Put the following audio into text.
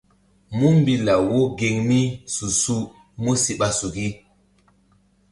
Múmbi law wo geŋ mi su-su músi ɓa suki.